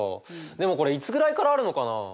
でもこれいつぐらいからあるのかな？